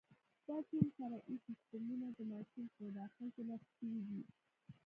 دا ټول فرعي سیسټمونه د ماشین په داخل کې نصب شوي دي.